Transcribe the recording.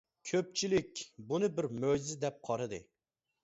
كۆپچىلىك بۇنى بىر مۆجىزە دەپ قارىدى.